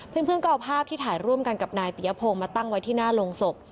เพื่อนก็เอาภาพที่ถ่ายร่วมกันกับนายปิยพงศ์มาตั้งไว้ที่หน้าโรงศพ